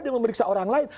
dia memeriksa orang lain